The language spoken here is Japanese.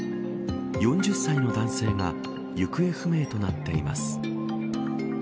４０歳の男性が行方不明となっています。